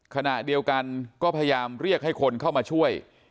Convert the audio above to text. ขณะเดียวกันก็พยายามเรียกให้คนเข้ามาช่วย